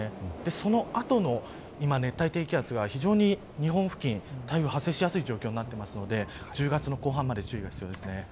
その後の今、熱帯低気圧が非常に日本付近、台風発生しやすい状況になっているので１０月の後半まで注意が必要です。